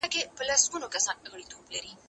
زه اجازه لرم چي سبزېجات جمع کړم.